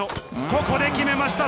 ここで決めました！